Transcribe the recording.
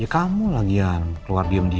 ya kamu lagian keluar diem diem